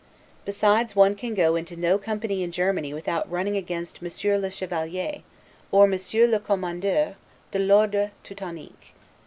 Besides one can go into no company in Germany, without running against Monsieur le Chevalier, or Monsieur le Commandeur de l' Ordre Teutonique.